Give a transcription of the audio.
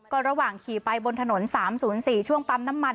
ก็ระหว่างขี่ไปบนถนน๓๐๔ช่วงปั๊มน้ำมัน